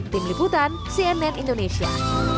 tim liputan cnn indonesia